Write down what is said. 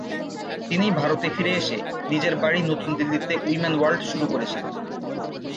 তিনি ভারতে ফিরে এসে নিজের বাড়ি নতুন দিল্লিতে উইমেন ওয়ার্ল্ড শুরু করেছিলেন।